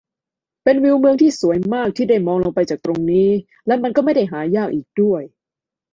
เป็นวิวเมืองที่สวยมากที่ได้มองลงไปจากตรงนี้ และมันก็ไม่ได้หายากอีกด้วย